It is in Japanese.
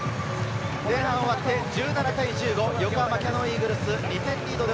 前半終わって１７対１５、横浜キヤノンイーグルス、２点リードで